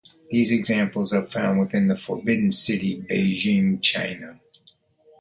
These examples are found within the Forbidden City, Beijing, China.